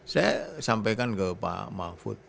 saya sampaikan ke pak mahfud